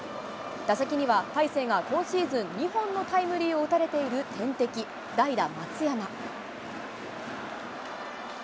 打席には大勢が今シーズン２本のタイムリーを打たれている天敵、代打、松山。